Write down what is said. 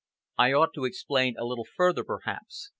"I ought to explain a little further, perhaps.